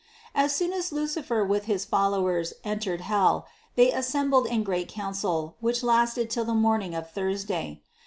As soon as Lucifer with his followers entered hell, they assembled in general council, which lasted to the morning of Thursday.